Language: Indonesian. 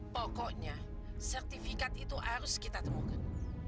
pokoknya sertifikat itu harus kita temukan